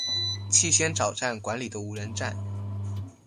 气仙沼站管理的无人站。